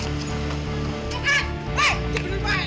ya allah ayah ayah